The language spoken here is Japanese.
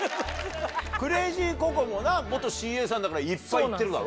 ＣＲＡＺＹＣＯＣＯもな元ＣＡさんだからいっぱい行ってるだろ？